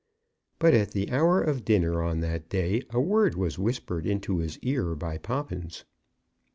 But at the hour of dinner on that day, a word was whispered into his ear by Poppins.